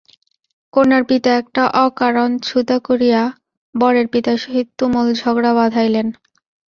কন্যার পিতা একটা অকারণ ছুতা করিয়া বরের পিতার সহিত তুমুল ঝগড়া বাধাইলেন।